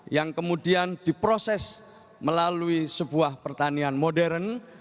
yang kemudian diproses melalui sebuah pertanian modern